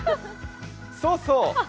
そうそう。